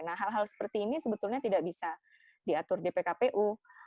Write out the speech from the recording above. nah hal hal seperti ini sebetulnya tidak bisa diatur di pkpu